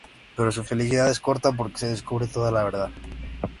Pero su felicidad es corta porque se descubre toda la verdad.